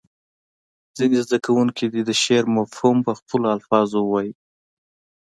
ځینې زده کوونکي دې د شعر مفهوم په خپلو الفاظو ووایي.